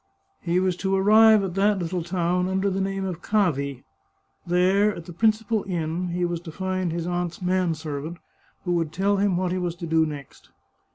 He was to arrive at that little town under the name of Cavi ; there, at the principal inn, he was to find his aunt's man servant, who would tell him what he was to do next.